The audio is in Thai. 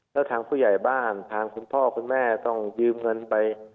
แล้วทางผู้ใหญ่บ้านทางคุณพ่อคุณแม่ต้องยืมเงินไป